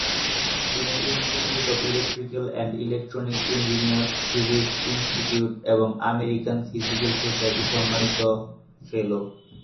তিনি institute of electrical and electronics engineers, physics institute এবং American physical সোসাইটির সম্মানিত ফেলো।